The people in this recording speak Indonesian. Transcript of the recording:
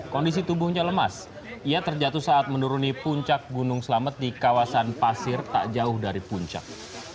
kondisi tubuhnya lemas ia terjatuh saat menuruni puncak gunung selamet di kawasan pasir tak jauh dari puncak